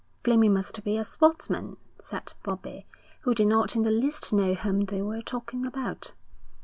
'Fleming must be a sportsman,' said Bobbie, who did not in the least know whom they were talking about.